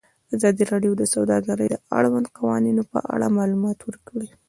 ازادي راډیو د سوداګري د اړونده قوانینو په اړه معلومات ورکړي.